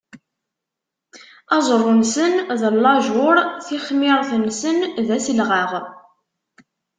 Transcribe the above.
Aẓru-nsen d llajuṛ, tixmiṛt-nsen d aselɣaɣ.